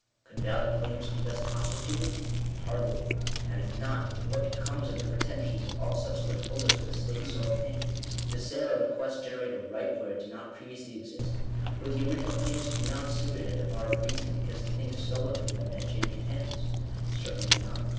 Could valid claims be thus consti tuted ? Hardly. And if not, what becomes of the pretensions of all subsequent holders of estates so obtained ? Does sale or bequest generate a right where it did not previously exist ? Would the original claimants be nonsuited at the bar of reason, because the thing stolen from them had changed hands? Certainly not.